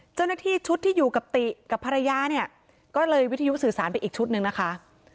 เจ้าหน้าที่ชุดที่อยู่กับติกับภรรยาเนี่ยก็เลยวิทยุสื่อสารไปอีกชุดหนึ่งนะคะ